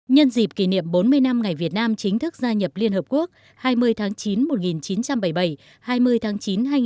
nhân dịp kỷ niệm bốn mươi năm ngày việt nam chính thức gia nhập liên hợp quốc hai mươi tháng chín một nghìn chín trăm bảy mươi bảy hai mươi tháng chín hai nghìn một mươi chín